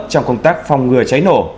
trong công tác phòng ngừa cháy nổ